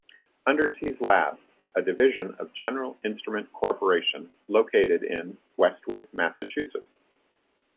Underseas Lab, a division of General Instrument Corporation, located in Westwood, Massachusetts.